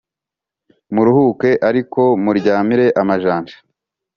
muruhuke ariko muryamire amajanja